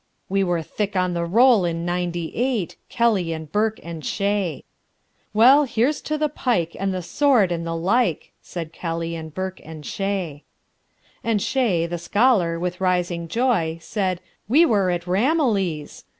We were thick on the roll in ninety eight Kelly and Burke and Shea." "Well, here's to the pike and the sword and the like!" Said Kelly and Burke and Shea. And Shea, the scholar, with rising joy, Said "We were at Ramillies.